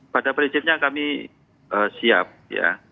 pada prinsipnya kami siap ya